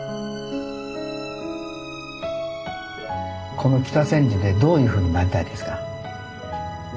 この北千住でどういうふうになりたいですか？